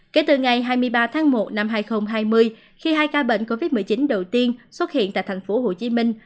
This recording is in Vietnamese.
kể từ ngày hai mươi ba tháng một năm hai nghìn hai mươi khi hai ca bệnh covid một mươi chín đầu tiên xuất hiện tại thành phố hồ chí minh